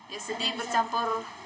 ya sedih bercampur